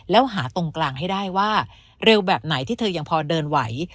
แล้วหาตรงกลางให้ได้ว่าเร็วแบบไหนที่เธอยังพอเดินไหว